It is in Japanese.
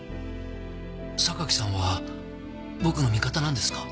榊さんは僕の味方なんですか？